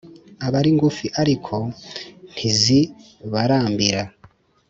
aba ari ngufi ariko ntizibarambira.